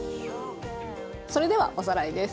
それではおさらいです。